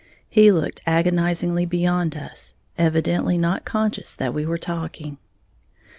He looked agonizingly beyond us, evidently not conscious that we were talking.